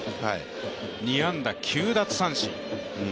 ２安打９奪三振。